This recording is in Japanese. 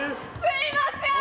すいません！